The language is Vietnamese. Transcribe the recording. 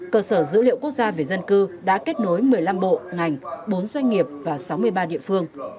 cơ sở dữ liệu quốc gia về dân cư đã kết nối một mươi năm bộ ngành bốn doanh nghiệp và sáu mươi ba địa phương